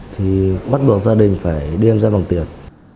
thì bắt buộc gia đình phải đem ra bằng tiền